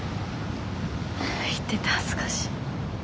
言ってて恥ずかしい。